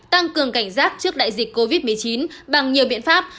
tăng cường cảnh giác trước đại dịch covid một mươi chín bằng nhiều biện pháp